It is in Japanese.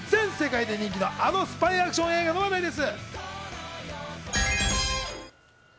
続いては、全世界で人気のスパイアクション映画の話題です。